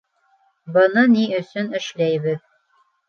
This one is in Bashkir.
Быны ни өсөн эшләйбеҙ?